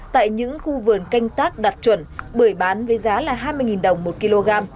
tại những khu vườn canh tác đạt chuẩn bưởi bán với giá là hai mươi đồng một kg